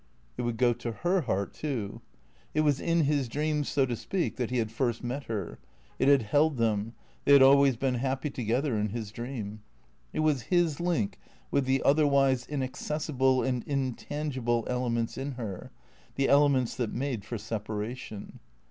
It would go to her heart, too. It was in his dream, so to speak, that he had first met her ; it had held them; they had always been happy together in his dream. It was his link with the otherwise inaccessible and intangible ele ments in her, the elements that made for separation.